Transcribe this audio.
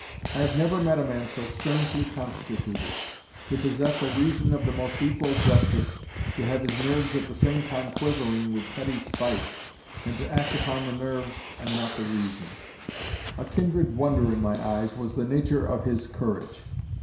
I have never met a man so strangely constituted: to possess a reason of the most equal justice, to have his nerves at the same time quivering with petty spite, and to act upon the nerves and not the reason. A kindred wonder in my eyes was the nature of his courage.